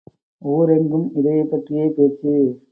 ஊரெங்கும் இதைப்பற்றியே பேச்சு.